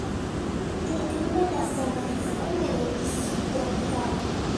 El clima en la zona es húmedo y subtropical.